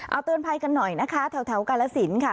เอาเตือนภัยกันหน่อยนะคะแถวกาลสินค่ะ